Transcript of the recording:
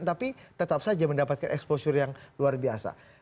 tapi tetap saja mendapatkan exposure yang luar biasa